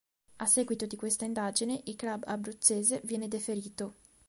A seguito di questa indagine il club abruzzese viene deferito.